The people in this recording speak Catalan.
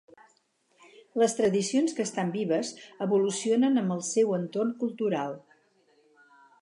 Les tradicions que estan vives evolucionen amb el seu entorn cultural.